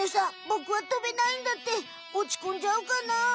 「ボクはとべないんだ」っておちこんじゃうかな？